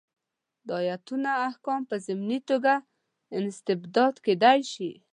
دا ایتونه احکام په ضمني توګه استنباط کېدای شي.